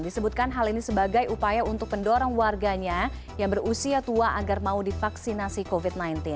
disebutkan hal ini sebagai upaya untuk mendorong warganya yang berusia tua agar mau divaksinasi covid sembilan belas